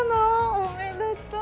おめでとう。